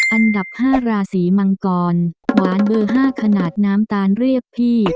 อันดับ๕ราศีมังกรหวานเบอร์๕ขนาดน้ำตาลเรียกพี่